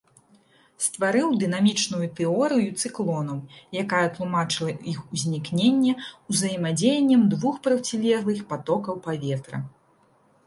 Стварыў дынамічную тэорыю цыклонаў, якая тлумачыла іх ўзнікненне узаемадзеяннем двух процілеглых патокаў паветра.